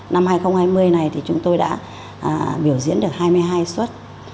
năm hai nghìn hai mươi này thì chúng tôi đã biểu diễn được hai mươi hai xuất